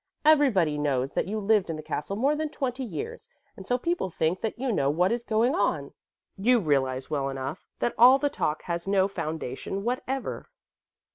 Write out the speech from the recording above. Everybody knows that you lived in the castle more than twenty years, and so people think that you know what is going on. You realize well enough that all the talk has no foundation whatever."